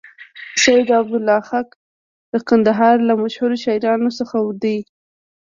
سید عبدالخالق د کندهار له مشهور شاعرانو څخه دی.